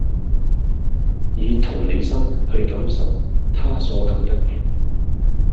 以同理心去感受他所感的